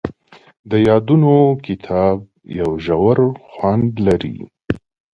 د یادونو کتاب یو ژور خوند لري.